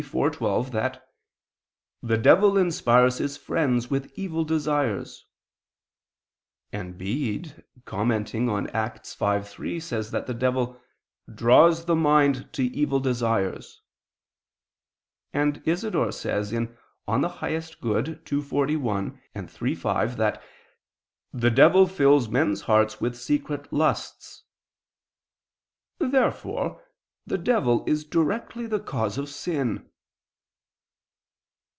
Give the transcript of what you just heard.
iv, 12) that "the devil inspires his friends with evil desires"; and Bede, commenting on Acts 5:3, says that the devil "draws the mind to evil desires"; and Isidore says (De Summo Bono ii, 41; iii, 5) that the devil "fills men's hearts with secret lusts." Therefore the devil is directly the cause of sin.